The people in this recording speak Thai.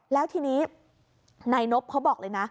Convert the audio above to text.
แล้วทีนี้นายนบเขาบอกเลยนะ